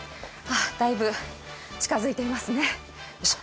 だいぶ近づいていますね。